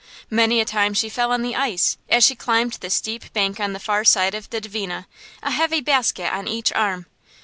Many a time she fell on the ice, as she climbed the steep bank on the far side of the Dvina, a heavy basket on each arm.